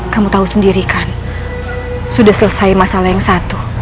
kamu tahu sendiri kan sudah selesai masalah yang satu